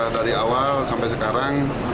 dari awal sampai sekarang